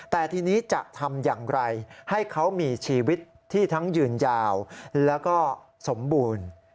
แต่ทีนี้จะทำอย่างไรให้เขามีชีวิตที่ทั้งยืนยาวแล้วก็สมบูรณ์